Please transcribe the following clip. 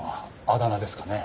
あだ名ですかね？